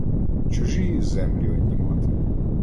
Чужії землі однімати